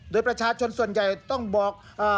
โดยประชาชนส่วนใหญ่ต้องบอก